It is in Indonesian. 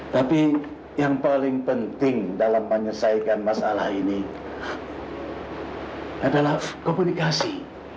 tapi yang paling penting dalam menyelesaikan masalah ini adalah komunikasi